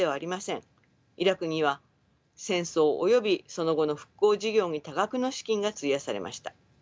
イラクには戦争およびその後の復興事業に多額の資金が費やされました。